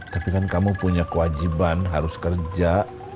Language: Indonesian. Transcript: tapi kan kamu punya kewajiban harus kerja